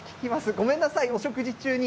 ごめんなさい、お食事中に。